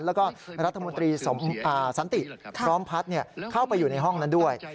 แล้วก็รัฐมนตรีสันติพร้อมพัฒน์เข้าไปอยู่ในห้องนั้นด้วย